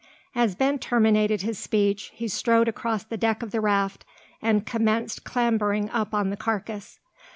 As Ben terminated his speech, he strode across the deck of the raft, and commenced clambering up on the carcass.